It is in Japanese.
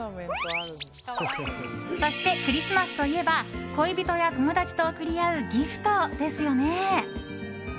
そして、クリスマスといえば恋人や友達と贈り合うギフトですよね。